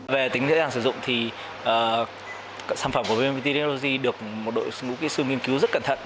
về tính dễ dàng sử dụng thì sản phẩm của vnptlogy được một đội ngũ kỹ sư nghiên cứu rất cẩn thận